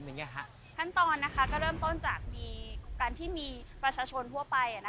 ขั้นตอนเริ่มต้นจากการที่มีประชาชนทั่วไป